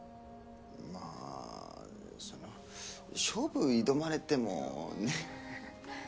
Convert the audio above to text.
まぁその勝負挑まれてもねっ。